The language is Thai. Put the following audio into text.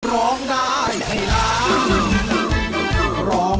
ร้องได้ให้ล้าน